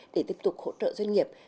để tiếp tục hỗ trợ doanh nghiệp